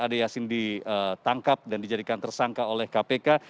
ade yasin ditangkap dan dijadikan tersangka oleh kpk